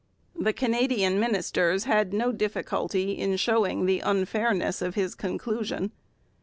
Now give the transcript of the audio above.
The Canadian ministers had no difficulty in showing the unfairness of his conclusion.